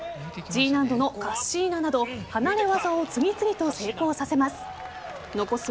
Ｇ難度のカッシーナなど離れ技を次々と成功させます。